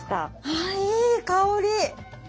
あいい香り。